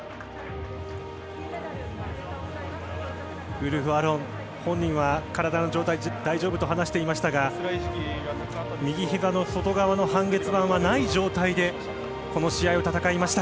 ウルフ・アロン本人は体の状態は大丈夫と話していましたが右ひざの外側の半月板がない状態でこの試合を戦いました。